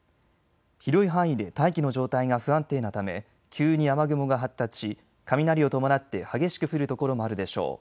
広い範囲で大気の状態が不安定なため急に雨雲が発達し雷を伴って激しく降る所もあるでしょう。